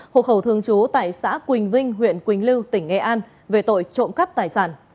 hộ khẩu thường trú tại xã quỳnh vinh huyện quỳnh lưu tỉnh nghệ an về tội trộm cắp tài sản